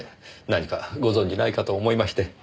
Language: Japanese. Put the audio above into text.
何かご存じないかと思いまして。